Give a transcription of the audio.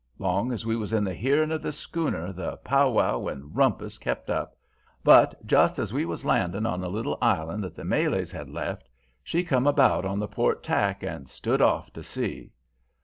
Long as we was in the hearing of the schooner the powwow and rumpus kept up, but just as we was landing on the little island that the Malays had left, she come about on the port tack and stood off to sea.